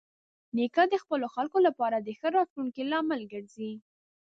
نیکه د خپلو خلکو لپاره د ښه راتلونکي لامل ګرځي.